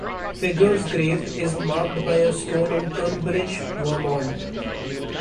Figure's grave is marked by a stone in Tunbridge, Vermont.